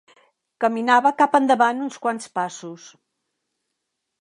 Caminava cap endavant uns quants passos.